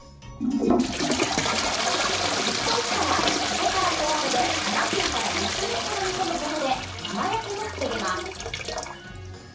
沸騰したら、そこから弱火で７分から１０分ほど煮込むことで生焼けも防げます。